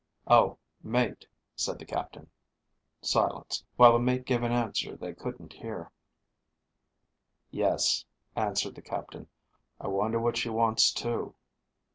_ "Oh, mate," said the captain. Silence, while the mate gave an answer they couldn't hear. _"Yes," answered the captain. "I wonder what she wants, too."